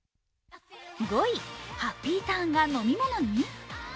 ５位、ハッピーターンが飲み物に！？